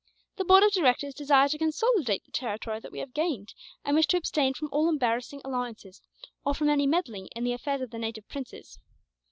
The board of directors desire to consolidate the territory that we have gained, and wish to abstain from all embarrassing alliances, or from any meddling in the affairs of the native princes.